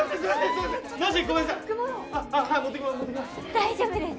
大丈夫です。